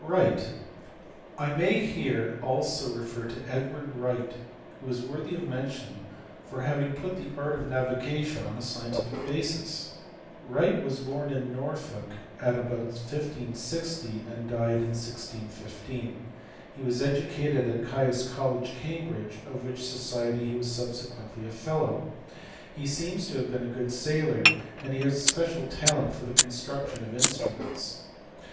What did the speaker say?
Wright*. I may here also refer to Edward Wright, who is worthy of mention for having put the art of navigation on a scientific basis. Wright was born in Norfolk about 1560, and died in 1615. He was educated at Caius College, Cam bridge, of which society he was subsequently a fellow. He seems to have been a good sailor and he had a special talent for the construction of instruments.